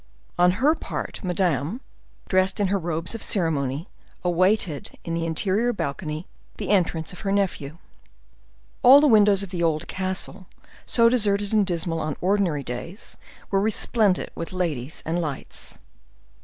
On her part, Madame, dressed in her robes of ceremony, awaited, in the interior balcony, the entrance of her nephew. All the windows of the old castle, so deserted and dismal on ordinary days, were resplendent with ladies and lights.